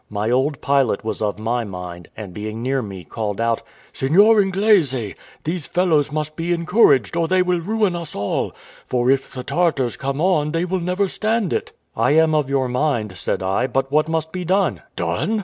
My old pilot was of my mind; and being near me, called out, "Seignior Inglese, these fellows must be encouraged, or they will ruin us all; for if the Tartars come on they will never stand it." "If am of your mind," said I; "but what must be done?" "Done?"